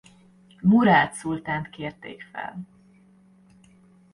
Murád szultánt kérték fel.